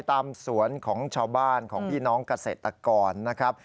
ตามสวนของชาวบ้านของพี่น้องเกษตรกรนะครับ